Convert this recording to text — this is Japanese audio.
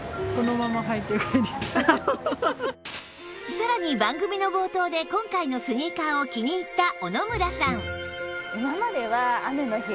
さらに番組の冒頭で今回のスニーカーを気に入った小野村さん